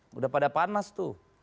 sudah pada panas tuh